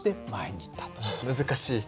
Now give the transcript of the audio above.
難しい。